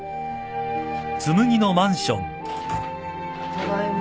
ただいま。